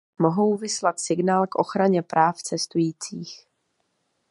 Mohou vyslat signál k ochraně práv cestujících.